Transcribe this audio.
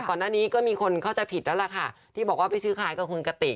ก่อนหน้านี้ก็มีคนเข้าใจผิดแล้วล่ะค่ะที่บอกว่าไปซื้อขายกับคุณกติก